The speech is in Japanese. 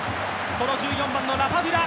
この１４番のラパドゥラ。